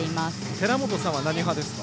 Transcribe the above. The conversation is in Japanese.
寺本さんは何派ですか。